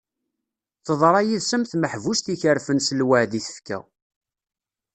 Teḍra yid-s am tmeḥbust ikerfen s lweɛd i tefka.